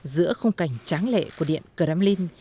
giữa khung cảnh tráng lệ của điện kremlin